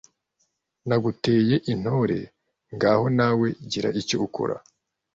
Nagutuye intore ngaho nawe gira icyo ukora